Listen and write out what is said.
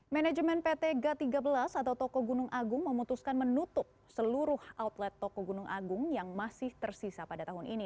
manajemen pt ga tiga belas atau toko gunung agung memutuskan menutup seluruh outlet toko gunung agung yang masih tersisa pada tahun ini